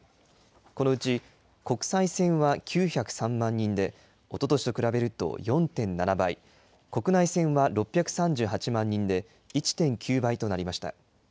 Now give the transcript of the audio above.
このうち国際線は９０３万人で、おととしと比べると４．７倍、国内線は６３８万人で、１．９倍となりました。